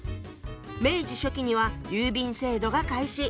明治初期には郵便制度が開始。